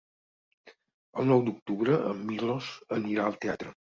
El nou d'octubre en Milos anirà al teatre.